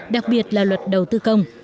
đặc biệt là luật đầu tư công